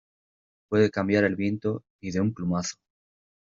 puede cambiar el viento y de un plumazo